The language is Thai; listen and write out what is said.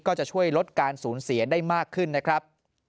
ก็จะช่วยลดการสูญเสียได้มากขึ้นนะครับ